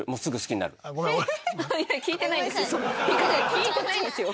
聞いてないですよ。